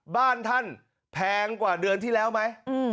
บ้านท่านแพงกว่าเดือนที่แล้วไหม